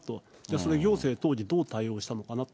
その行政当時、どう対応したのかなと。